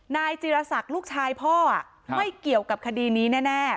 นายจิรศักดิ์ลูกชายพ่อไม่เกี่ยวกับคดีนี้แน่